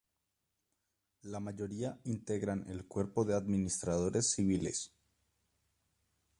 La mayoría integran el cuerpo de administradores civiles.